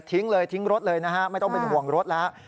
เลยทิ้งรถเลยนะฮะไม่ต้องเป็นห่วงรถแล้ว